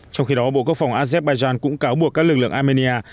trong khi đó bộ quốc phòng azerbaijan cũng cáo buộc các lực lượng armenia